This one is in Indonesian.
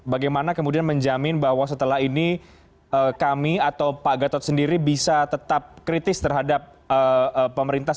bagaimana kemudian menjamin bahwa setelah ini kami atau pak gatot sendiri bisa tetap kritis terhadap pemerintah